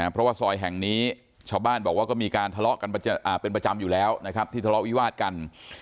เพราะว่าซอยแห่งนี้ชาวบ้านบอกว่าก็มีการทะเลาะกันเป็นประจำอยู่แล้วนะครับที่ทะเลาะวิวาดกัน